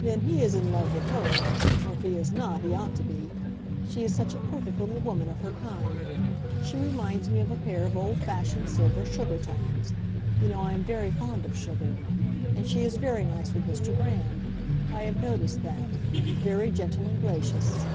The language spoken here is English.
"Then he is in love with her; or if he is not, he ought to be. She is such a perfect little woman of her kind. She reminds me of a pair of old fashioned silver sugar tongs; you know I am very fond of sugar. And she is very nice with Mr. Brand; I have noticed that; very gentle and gracious."